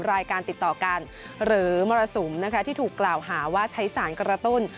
รายการติดต่อกันหรือมรสุมนะคะที่ถูกกล่าวหาว่าใช้สารกระตุ้น